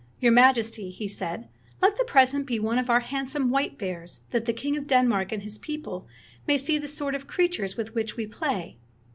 "Your Majesty," he said, "let the present be one of our handsome white bears, that the king of Denmark and his people may see the sort of creatures with which we play."